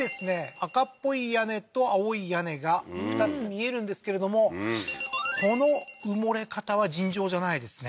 赤っぽい屋根と青い屋根が２つ見えるんですけれどもこの埋もれ方は尋常じゃないですね